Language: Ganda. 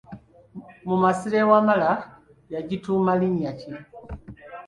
Mu masiro e Wamala yagituuma linnya ki?